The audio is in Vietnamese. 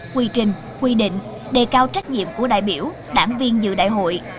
quy trình quy định đề cao trách nhiệm của đại biểu đảng viên dự đại hội